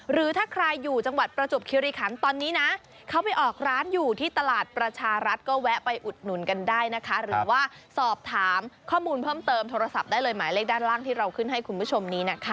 หรือถ้าใครอยู่จังหวัดประจวบคิริคันตอนนี้นะเขาไปออกร้านอยู่ที่ตลาดประชารัฐก็แวะไปอุดหนุนกันได้นะคะหรือว่าสอบถามข้อมูลเพิ่มเติมโทรศัพท์ได้เลยหมายเลขด้านล่างที่เราขึ้นให้คุณผู้ชมนี้นะคะ